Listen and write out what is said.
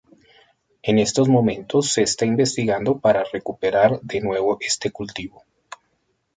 En estos momentos se está investigando para recuperar de nuevo este cultivo.